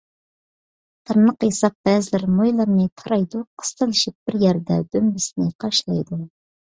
تىرناق ياساپ بەزىلەر مويلىرىنى تارايدۇ، قىستىلىشىپ بىر يەردە دۈمبىسىنى قاشلايدۇ.